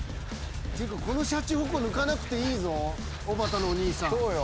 っていうかこのシャチホコ抜かなくていいぞおばたのお兄さん。